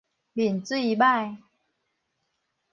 面水䆀